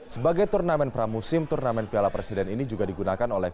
sebagai turnamen pramusim turnamen piala presiden ini juga digunakan oleh